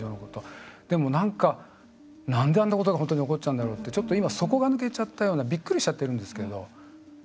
でも、なんであんなことが本当に起こっちゃうんだろうってちょっと今底が抜けちゃったようなびっくりしちゃってるんですけど。